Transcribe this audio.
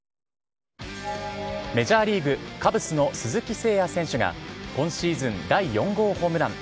メジャーリーグ・カブスの鈴木誠也選手が、今シーズン第４号ホームラン。